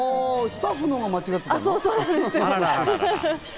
スタッフのほうが間違ってたの？